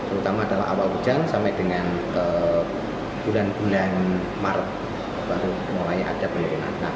terutama adalah awal hujan sampai dengan bulan bulan maret baru mulai ada penurunan